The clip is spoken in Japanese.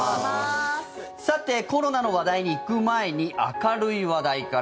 コロナの話題に行く前に明るい話題から。